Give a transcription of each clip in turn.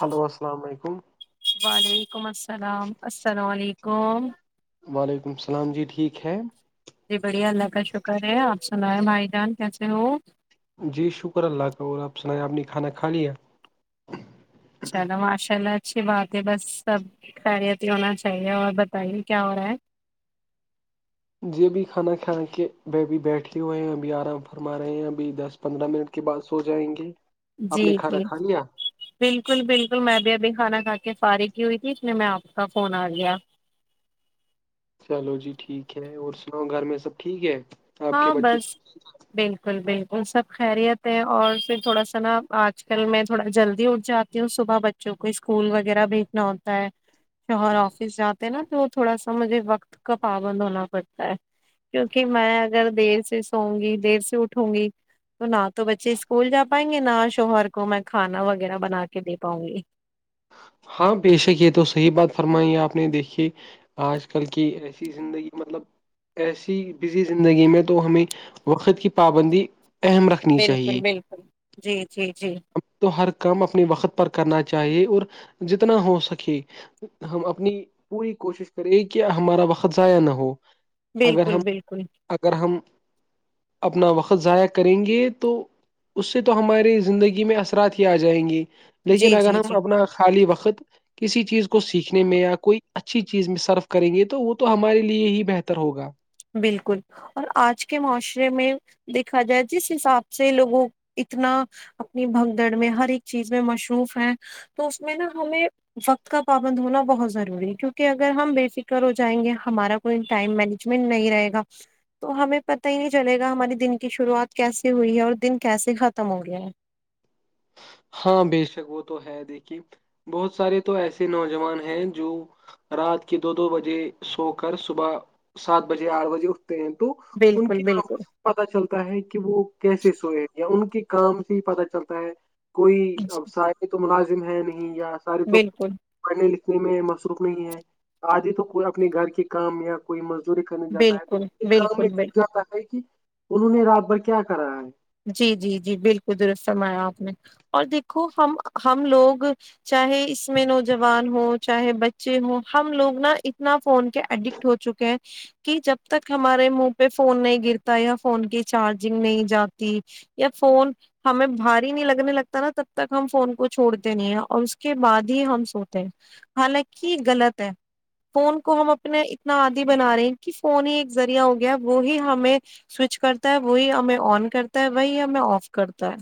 Hello السلام علیکم وعلیکم السلام السلام علیکم وعلیکم السلام جی ٹھیک ہے جی بڑھیا اللہ کا شکر ہے آپ سنایں بھائی جان کیسے ہو جی شکر اللہ کا اور آپ سنا آپ نے کھانا کھا لیا چلو ماشاء اللہ اچھی بات ہے بس سب خیریت ہی ہونا چاہیے اور بتائیے کیا ہو رہا ہے جی ابھی کھانا کھا کے ب ابھی بیٹھے ہوئے ہیں ابھی آرام فرما رہے ہیں ابھی دس پندرہ منٹ کے بعد سو جائیں گے آپ جی نے کھانا جی کھا لیا بالکل بالکل میں بھی ابھی کھانا کھا کے فارغی ہوئی تھی اس لیے میں آپ کا فون آ گیا چلو جی ٹھیک ہے اور سناؤ گھر میں سب ٹھیک ہے آپ کے ہاں بچے بس سب؟ بالکل بالکل سب خیریت ہے اور پھر تھوڑا سا نا آج کل میں تھوڑا جلدی اٹھ جا تی ہوں صبح بچوں کو اسکول وغیرہ بھیجنا ہوتا ہے شوہر آفس جاتے ہیں نا تو تھوڑا سا مجھے وقت کا پابند ہونا پڑتا ہے کیونکہ میں اگر دیر سے سووںں گی دیر سے اٹھوں گی تو نہ تو بچے اسکول جا پائیں گے نہ شوہر کو میں کھانا وغیرہ بنا کے دے پاؤں گی ہاں بے شک یہ تو صحیح بات فرمائی آپ نے دیکھیے آج کل کی ایسی زندگی مطلب ایسی بزی زندگی میں تو ہمیں وقت کی پابندی اہم رکھ بالکل بالکل جی جی جی ہم تو ہر کام اپنی وقت پر کرنا چاہیے اور جتنا ہو سکے ہم اپنی پوری کوشش کریں کہ ہمارا وقت ضائع نہ ہو اگر بالکل ہم بالکل اگر ہم اپنا وقت ضائع کریں گے تو اس سے تو ہماری زندگی میں اثرات ہی آ جائیں گی لیکن جی اگر جی ہم جی اپنا خالی وقت کسی چیز کو سیکھنے میں یا کوئی اچھی چیز میں سرف کریں گے تو وہ تو ہمارے لیے ہی بہتر ہوگا بالکل اور آج کے معاشرے میں دیکھا جائے جس حساب سے لوگوں اتنا اپنی بھگدڑ میں ہر ایک چیز میں مصروف ہے تو اس میں نا ہمیں وقت کا پابند ہونا بہت ضروری ہے کیونکہ اگر ہم بے فکر ہو جائیں گے ہمارا کوئی ٹائم مینج من نہیں رہے گا تو ہمیں پتہ ہی نہیں چلے گا ہماراری دن کی شروعات کیسے ہوئی ہے اور دن کیسے ختم ہو گیا ہے ہاں بے شک وہ تو ہے دیکھیے بہت سارے تو ایسے نوجوان ہیں جو رات کے دو دو بجے سو کر صبح سات بجے آٹھ بجے اٹھ ہیں تو ان بالکل کی آ بالکل پتا چلتا ہے کہ وہ کیسے سوئے یا ان کے کام سے ہی پتا چلتا ہے کوئی اب سارے تو ملازم ہے نہیں یا سارے تو بالکل پڑھنے لکھنے میں مصروف نہیں ہے آدھی تو خود اپنے گھر کی کام یا کوئی مزدوری کرنے جاتا ہے تو بالکل کام میں بالکل جاتا ہے کہ انہوں نے رات بھر کیا کرا ہے جی جی جی بالکل درست فرمایا آپ نے اور دیکھو ہم ہم لوگ چاہے اس میں نوجوان ہو چاہے بچے ہوں ہم لوگ نا اتنا فون کے ایڈکٹ ہو چکے ہیں کہ جب تک ہمارے منہ پہ فون نہیں گرتا یا فون کی چارجنگ نہیں جات تی یا فون ہمیں بھاری نہیں لگنے لگتا نا تب تک ہم فون کو چھوڑتے نہیں ہیں اور اس کے بعد ہی ہم سوتے ہیں حالانکہ غلط ہے فون کو ہم اپنے اتنا آدی بنا رہے ہیں کہ فون ہی ایک ذریعہ ہو گیا وہ ہی ہمیں سوئچ کرتا ہے وہی ہمیں آن کرتا ہے وہی ہمیں آف کرتا ہے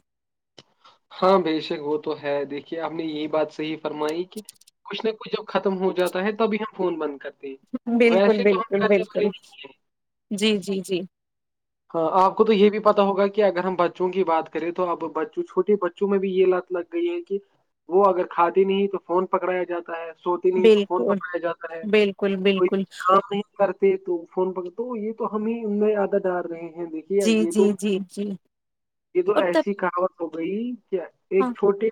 ہاں بے شک وہ تو ہے دیکھیے آپ نے یہی بات صحیح فرمائی کہ کچھ نہ کچھ جب ختم ہو جاتا ہے تبھی ہم فون بند کرتے ہیں بالکل ویسے تو ہم بالکل کرنے والے بالکل نہیں ہیں جی جی جی ہاں آپ کو تو یہ بھی پتا ہوگا کہ اگر ہم بچوں کی بات کریں تو اب بچوں چھوٹے بچے بچوں میں بھی یہ لات لگ گئی ہے کہ وہ اگر کھاتی نہیں تو فون پکڑایا جاتا ہے سوتی نہیں تو فون بالکل پکڑا یا جاتا ہے بالکل کوئی بالکل کام نہیں کرتے تو فون پر کر یہ تو ہم ہی ان میں عادت ڈار رہے ہیں دیکھ جی یہ تو جی جی جی یہ تو اور تب ایسی کہاوت ہو گئی کیا ایک ہاں چھوٹے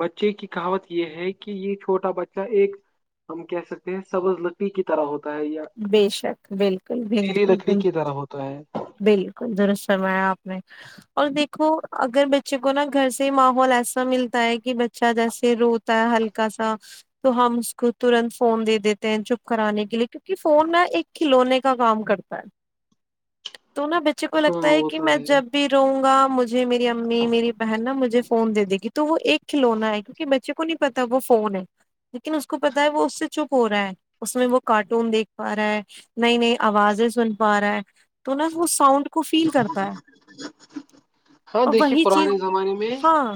بچے کی کہاوت یہ ہے کہ یہ چھوٹا بچہ ایک ہم کہہ سکتے ہیں سبز لکڑی کی طرح ہوتا ہے یا بے شک بالکل گیلی بالکل لکڑی کی بالکل اور وہ تو ہے بالکل درست فرمایا آپ نے اور دیکھو اگر بچے کو نا گھر سے ماحول ایسا ملتا ہے کہ بچہ جیسے رو ہلکا سا تو ہم اس کو ترنت فون دے دیتے ہیں چپ کرانے کے لیے کیونکہ فون نا ایک کھلونے کا کام کرتا ہے تو نہ بچ بچے کو ہاں لگتا ہے وہ کہ تو میں جب بھی رہوں گا مجھے میری امی میری بہن نا مجھے فون دے دے گی تو وہ ایک کھلونا ہے کیونکہ بچے کو نہیں پتا وہ فون ہے لیکن اس کو پتا ہے وہ اس سے چپ ہو رہا ہے اس میں وہ کاٹ ٹون دیکھ پا رہا ہے نئی نئی آوازیں سن پا رہا ہے تو نا وہ ساؤنڈ کو فیل کرتا ہے ہاں اور دیکھیے وہی چیز پرانے زمانے میں ہاں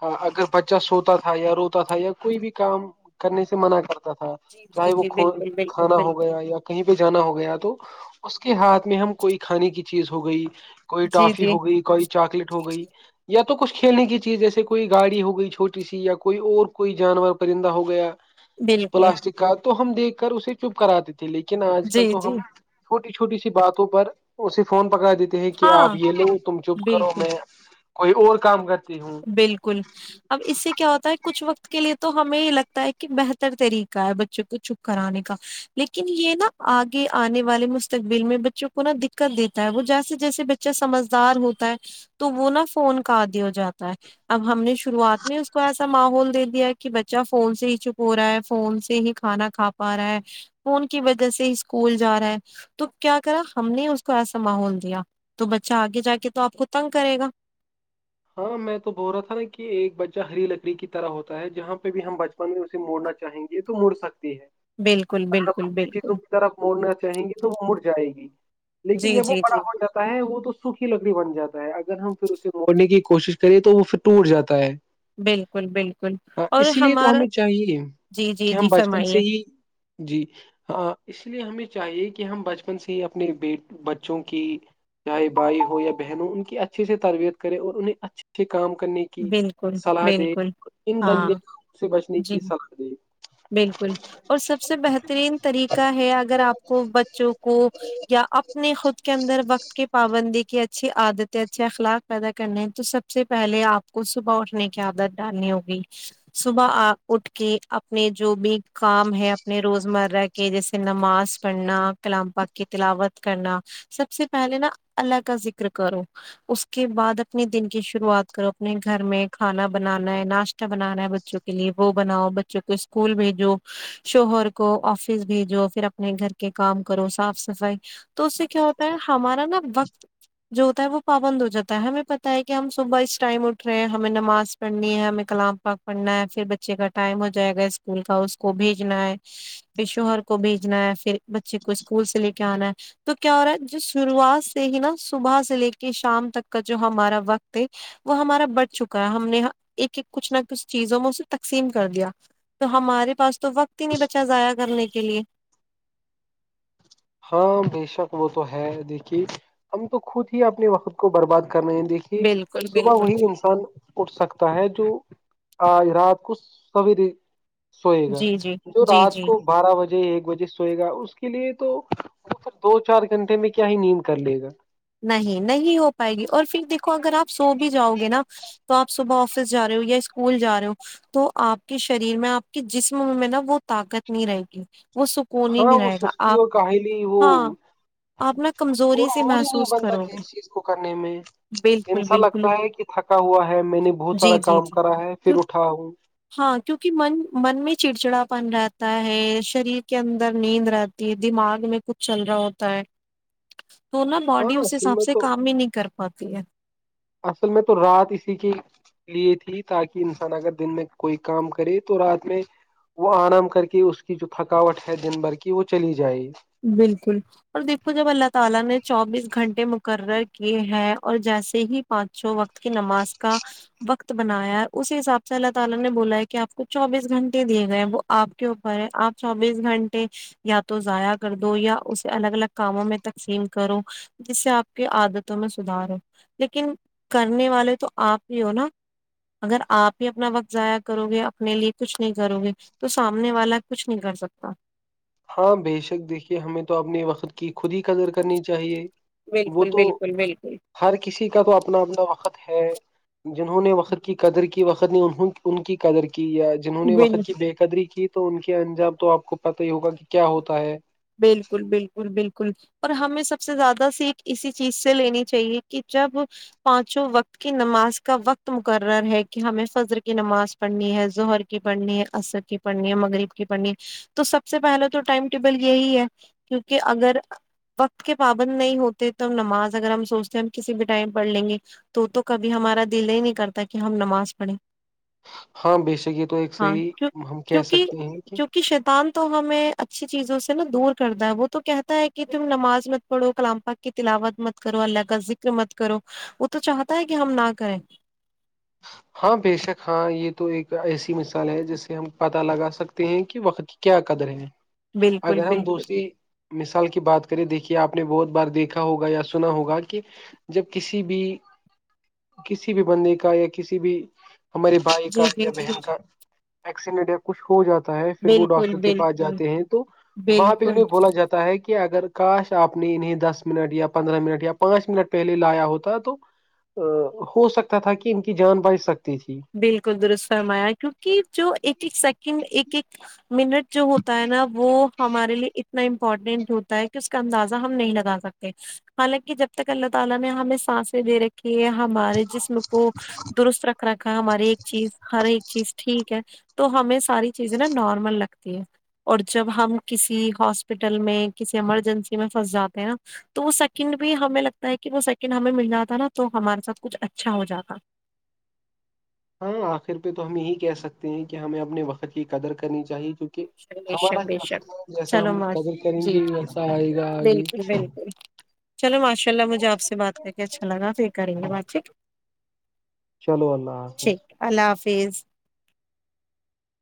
ہاں اگر بچہ سوتا تھا یا روتا تھا یا کوئی بھی کام کرنے سے منع کرتا تھا جی جی چاہے وہ جی کھ بالکل بالکل کھانا ہو بالکل گیا یا کہیں بھی جانا ہو گیا تو اس کے ہاتھ میں ہم کوئی کھانے کی چیز ہو گئی کوئی جی ٹافی جی ہو گئی کوئی چاکلیٹ جی ہو گئی جی یا تو کچھ کھیلنے کی چیز جیسے کوئی گاڑی ہو گئی چھوٹی سی یا کوئی اور کوئی جانور پرندہ ہو گیا بالکل پلاسٹک کا تو ہم دیکھ کر اسے چپ کراتے تھے لیکن آج جی کل تو جی ہم چھوٹی چھوٹی سی باتوں پر اسے فون پکڑا دیتے ہیں کہ آپ ہاں یہ لو تم چپ کرو بالکل میں کوئی اور کام کرتی ہو بالکل اب اس سے کیا ہوتا ہے کچھ وقت کے لیے تو ہمیں یہ لگتا ہے کہ بہتر طریقہ ہے بچوں کو چپ کرانے کا لیکن یہ نا آگے آنے والے مستقبل میں بچوں کو نا دقت دیتا ہے وہ جیسے جیسے بچ چے سمجھدار ہوتا ہے تو وہ نا فون کا عادی ہو جاتا ہے اب ہم نے شروعات میں اس کو ایسا ماحول دے دیا ہے کہ بچہ فون سے ہی چپ ہو رہا ہے فون سے ہی کھانا کھا پا رہا ہے فون کی وجہ سے ہی اسکول جا رہا ہے تو کیا کرا ہم نے اس کو ایسا ماحول دیا تو بچہ آگے جا کے تو آپ کو تنگ کرے گا ہاں میں تو بول رہا تھا نا کہ ایک بچہ ہری لکڑی کی طرح ہوتا ہے جہاں پہ بھی ہم بچ پن میں اسے مڑنا چاہیں گے تو مڑ سکتی ہے بالکل آپ بالکل اچھی بالکل چیزوں کی طرف موڑنا چاہیں گی تو وہ مڑ جائے گی لیکن جی جب وہ جی بڑا جی ہو جاتا ہے وہ تو سوکھی لکڑی بن جاتا ہے اگر ہم پھر اسے مڑنے کی کوشش کریے تو وہ پھر ٹوٹ جاتا ہے بالکل بالکل ہ اور اسی لیے تو ہمارا ہمیں چاہیے جی جی کہ ہم جی بچپن سے فرمائیے ہی جی ہ اس لیے ہمیں چاہیے کہ ہم بچپن سے ہی اپنے بیٹ بچوں کی چاہے بھائی ہو یا بہن ہو ان کی اچھے سے تربیت کرے اور انہیں اچھے سے کام کرنے کی کی بالکل صلاح دے بالکل اور ان گندے ہاں کموں سے بچنے جی کی سختی بالکل اور سب سے بہترین طریقہ ہے اگر آپ کو بچوں کو یا اپ نے خود کے اندر وقت کی پابندی کی اچھی عادتیں اچھے اخلاق پیدا کرنے ہیں تو سب سے پہلے آپ کو صبح اٹھنے کی عادت ڈالنی ہوگی صبح اٹھ کے اپ پنے جو بھی کام ہے اپنے روزمرہ کے جیسے نماز پڑھنا کلام پاک کی تلاوت کرنا سب سے پہلے نا الله کا ذکر کرو اس کے بعد اپنے دن کی شروعات کرو اپنے گھر میں کھانا بنانا ہے ناشت تہ بنانا ہے بچوں کے لیے وہ بناؤ بچوں کو اسکول بھیجو شوہر کو آفس بھیجو پھر اپنے گھر کے کام کرو صاف صفائی تو اس سے کیا ہوتا ہے ہمارا نا وقت جو ہوتا ہے وہ پابند ہو جاتا ہے ہمیں پتا ہے کہ ہم صبح اس ٹائم اٹھ رہے ہیں ہمیں نماز پڑھنی ہے ہمیں کلام پاک پڑھنا ہے پھر بچے کا ٹائم ہو جائے گا اسکول کا اس کو بھیجنا ہے پھر شوہر کو بھیجنا ہے پھر بچے کو اسکول سے لے کے آنا ہے تو کیا ہو رہا ہے جو شروعات سے ہی نا صبح سے لے کے شام تک کا جو ہمارا وقت ہے وہ ہمارا بٹ چکا ہے ہم نے ایک ایک کچھ نہ کچھ چیزوں میں اسے تقسیم کر دیا تو ہمارے پاس تو وقت ہی نہیں بچا ضائع کرنے کے لیے ہاں بے شک وہ تو ہے دیکھیے ہم تو خود ہی اپنے وقت کو برباد کر رہے ہیں دیکھیے بالکل صبح بالکل وہی انسان اٹھ سکتا ہے جو آج رات کو سویرے سوئے گا جی جی جو جی رات جی کو بارہ بجے ایک بجے سوئے گا اس کے لیے تو وہ دو چار گھنٹے میں کیا ہی نیند کر لے گا نہیں نہیں ہو پائے گی اور پھر دیکھو اگر آپ سو بھی جاؤ گے نا تو آپ صبح آفس جا رہے ہو یا اسکول جا رہے ہو تو آپ کے شریر میں آپ کے جسم میں نا وہ طاقت نہیں رہے گی وہ سکھ کو ہاں نہیں وہ رہے گا سستی آپ اور کاہلی وہ ہاں آپ نا اور کمزوری سے موڈ ہی محس نہیں بنتا کس چیز کو کرنے میں بالکل انسا بالکل لگتا ہے کہ تھکا ہوا ہے میں نے بہت سارا جی جی کام جی کرا ہے پھر کیوں اٹھا ہوں ہاں کیونکہ من من میں چڑچڑا پن رہتا ہے شریر کے اندر نیند رہ تی دماغ میں کچھ چل رہا ہوتا ہے تو نہ ہاں باڈی اس اصل حساب میں سے تو کام ہی نہیں کر پاتی ہے اصل میں تو رات اسی کی لیے تھی تاکہ انسان اگر دن میں کوئی کام کرے تو رات میں وہ آرام کر کے اس کی جو تھکاوٹ ہے دن بھر کی وہ چلی جائے بالکل اور دیکھو جب اللہ تعالی نے چوبیس گھنٹے مقرر کیے ہیں اور جیسے ہی پانچوں وقت کی نماز کا وقت بنایا ہے اس حساب سے اللہ تعالی نے بولا ہے کہ آپ کو چوبیس گھنٹے دیے گئے ہیں وہ آپ کے اوپر ہے آپ چوبیس گھنٹے یا تو ضائع کر دو یا اسے الگ الگ کاموں میں تقسیم کرو جس سے آپ کی عادتوں میں سدار ہو لیکن کرنے والے تو آپ ہی ہو نا اگر آپ بھی اپنا وقت ضائع کرو گے اپنے لیے کچھ نہیں کرو گے تو سامنے والا کچھ نہیں کر سکتا ہاں بیشک دیکھیے ہمیں تو اپنے وقت کی خود ہی قدر کرنی چاہیے وہ بالکل تو بالکل بالکل ہر کسی کا تو اپنا اپنا وقت ہے جنہوں نے وقت کی قدر کی وقت نے ان کی قدر کی یا جنہوں نے بل وقت کی بے قدری کی تو ان کے انجام تو آپ کو پتا ہی ہوگا کہ کیا ہوتا ہے بالکل بالکل بالکل اور ہمیں سب سے زیادہ سیکھ اسی چیز سے لینی چاہیے کہ جب پانچوں وقت کی نماز کا وقت مقرر ہے کہ ہمیں فجر کی نماز پڑھنی ہے ظہر کی پڑھنی ہے عصر کی پڑھنی ہے مغرب کی پڑھنی تو سب سے پہلے تو ٹائم ٹیبل یہی ہے کیونکہ اگر وقت کے پابند نہیں ہوتے تو نماز اگر ہم سوچتے ہیں ہم کسی بھی ٹائم پڑھ لیں گے تو تو کبھی ہمارا دل ہی نہیں کرتا کہ ہم نماز پڑھیں ہاں بے شک یہ تو ایک ہاں صحیح کیو ہم کہہ کیونکہ سکتے ہیں کہ کیونکہ شیطان تو ہمیں اچھی چیزوں سے نا دور کرتا ہے وہ تو کہتا ہے کہ تم نماز مت پڑھو کلام پاک کی تلاوت مت کرو اللہ کا ذکر مت کرو وہ تو چاہتا ہے کہ ہم نہ کریں ہاں بیشک ہاں یہ تو ایک ایسی مثال ہے جس سے ہم پتا لگا سکتے ہیں کہ وقت کی کیا قدرے ہیں بالکل اگر ہم بالکل دوسری مثال کی بات کرے دیکھیے آپ نے بہت بار دیکھا ہوگا یا سنا ہوگا کہ جب کسی بھی کسی بھی بندے کا ایک کسی بھی ہمارے بھائی کا جی جی یا جی بہن کا ایکسیڈنٹ کچھ ہو جاتا ہے پھر وہ بالکل ڈاکٹر کے پاس بالکل جاتے ہیں تو وہاں پہ بالکل انہیں بولا جاتا ہے کہ اگر کاش آپ نے انہیں دس منٹ یا پندرہ منٹ یا پانچ منٹ پہلے لایا ہوتا تو ہو سکتا تھا کہ ان کی جان بچ سکتی تھی بالکل درست فرمایا کیونکہ جو ایک ایک سیکنڈ ایک کہ منٹ جو ہوتا ہے نا وہ ہمارے لیے اتنا امپورٹینٹ ہوتا ہے کہ اس کا اندازہ ہم نہیں لگا سکتے حالانکہ جب تک اللہ تعالی نے ہمیں سانسیں دے رکھی ہے ہمارے جسم کو درست رکھ رکھ ہماری ایک چیز ہر ایک چیز ٹھیک ہے تو ہمیں ساری چیزیں نا نارمل لگتی ہے اور جب ہم کسی ہاسپٹل میں کسی ایمرجنسی میں پھنس جاتے ہیں نا تو وہ سیکنڈ بھی ہمیں لگتا ہے کہ وہ سیکنڈ ہمیں مل جاتا نا تو ہمارے ساتھ کچھ اچھا ہو جاتا ہاں آخر پہ تو ہم یہی کہہ سکتے ہیں کہ ہمیں اپنے وقت کی قدر کرنی چاہیے کیو کہ بے ہمارا شک بے وقت شک ہے جیسا چلو ہم ماش قدر کریں جی گے جی ویسا آئے گا آگے بالکل بالکل چلو ماشاء اللہ مجھے آپ سے بات کر کے اچھا لگا پھر کریں گے بات ٹھیک ہے چلو اللہ حافظ ٹھیک اللہ حافظ